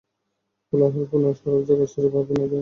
কোলাহলপূর্ণ সরব জগৎ ছেড়ে ভাবেন নীরব সুদিন।